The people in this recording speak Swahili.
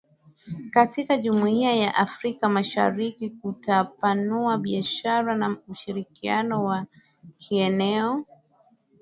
katika jamuia ya Afrika mashariki kutapanua biashara na ushirikiano wa kieneo